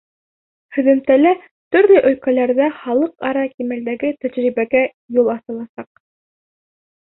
Һөҙөмтәлә төрлө өлкәләрҙә халыҡ-ара кимәлдәге тәжрибәгә юл асыласаҡ.